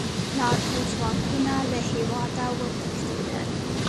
ناټو ځواکونه له هېواده وتښتېدل.